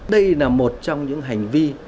đây là một trong những hành vi